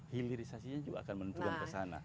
hilirisasinya juga akan menentukan kesana